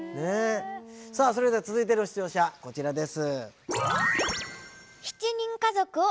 さあそれでは続いての出場者こちらです。